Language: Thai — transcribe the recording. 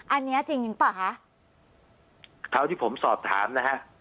อันนี้จริงจริงเปล่าคะเท่าที่ผมสอบถามนะฮะ